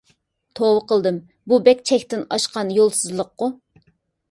توۋا قىلدىم. بۇ بەك چەكتىن ئاشقان يولسىزلىققۇ؟